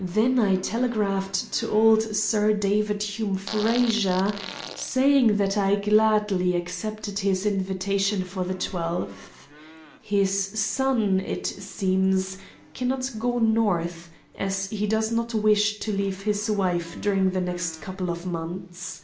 Then I telegraphed to old Sir David Hume Frazer, saying that I gladly accepted his invitation for the 12th. His son, it seems, cannot go North, as he does not wish to leave his wife during the next couple of months.